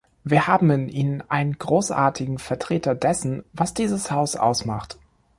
Wir haben in Ihnen einen großartigen Vertreter dessen, was dieses Haus ausmacht.